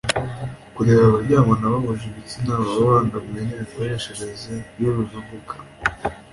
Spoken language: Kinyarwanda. kubera abaryamana bahuje ibitsina babangamiwe n’imikoreshereze y’uru rubuga